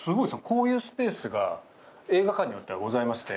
こういうスペースが映画館によってはございまして。